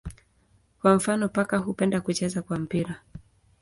Kwa mfano paka hupenda kucheza kwa mpira.